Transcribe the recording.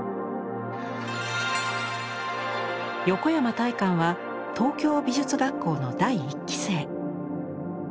横山大観は東京美術学校の第１期生。